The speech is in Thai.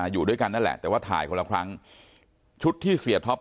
อยู่ด้วยกันนั่นแหละแต่ว่าถ่ายคนละครั้งชุดที่เสียท็อป